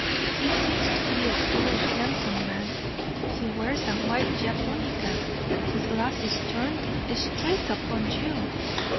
He seems to be a tall, handsome man; he wears a white japonica. His glass is turned straight upon you."